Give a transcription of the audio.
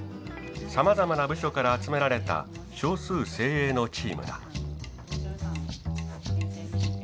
さまざまな部署から集められた少数精鋭のチームだ。